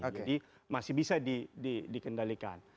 jadi masih bisa dikendalikan